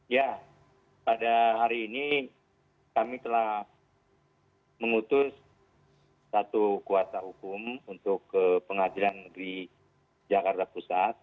ya pada hari ini kami telah mengutus satu kuasa hukum untuk ke pengadilan negeri jakarta pusat